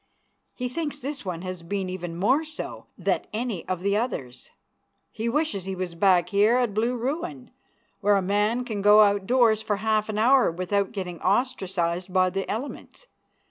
He thinks this one has been even more so that any of the others. He wishes he was back here at Blue Ruin, where a man can go out doors for half an hour without getting ostracized by the elements.